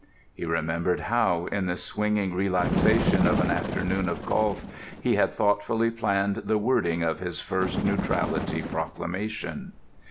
He remembered how, in the swinging relaxation of an afternoon of golf, he had thoughtfully planned the wording of his first neutrality proclamation.